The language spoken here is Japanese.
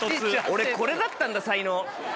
俺これだったんだ才能。